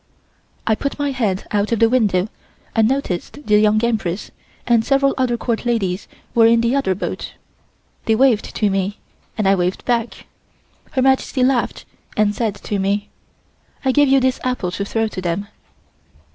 I put my head out of the window and noticed the Young Empress and several other Court ladies were in the other boat. They waved to me, and I waved back. Her Majesty laughed and said to me: "I give you this apple to throw to them."